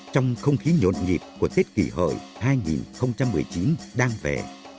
trong không khí nhộn nhịp của tết kỷ hợi hai nghìn một mươi chín đang về